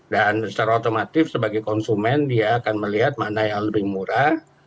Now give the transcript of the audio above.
dan secara otomatis sebagai konsumen dia akan melihat mana yang lebih murah